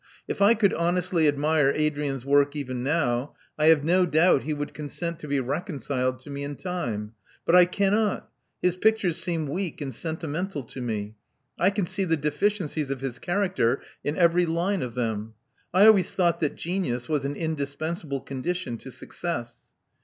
If I could honestly admire Adrian's work even now, I have no doubt he would consent to be reconciled to me in time. But I cannot. His pictures seem weak and sentimental to me. I can see the deficiencies of his character in every line of them. I always thought that genius was an indispensable condition to success."